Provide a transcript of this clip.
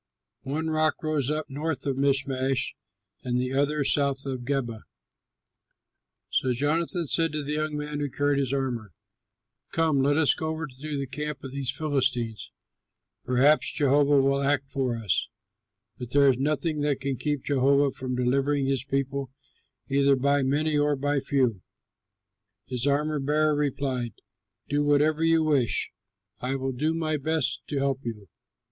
One rock rose up north of Michmash, and the other south of Geba. So Jonathan said to the young man who carried his armor, "Come, let us go over to the camp of these heathen Philistines. Perhaps Jehovah will act for us, for there is nothing that can keep Jehovah from delivering his people either by many or by few." His armor bearer replied, "Do whatever you wish, I will do my best to help you."